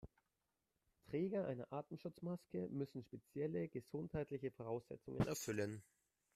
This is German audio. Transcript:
Träger einer Atemschutzmaske müssen spezielle gesundheitliche Voraussetzungen erfüllen.